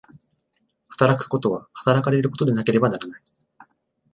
働くことは働かれることでなければならない。